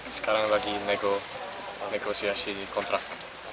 sekarang lagi negosiasi kontrak